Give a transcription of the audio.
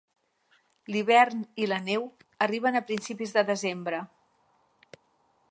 L'hivern i la neu arriben a principis de desembre.